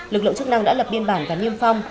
lực lượng chức năng đã lập biên bản và niêm phong